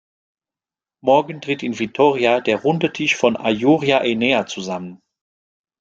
Morgen tritt in Vitoria der Runde Tisch von Ajuria-Enea zusammen.